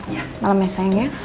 ya malem ya sayang ya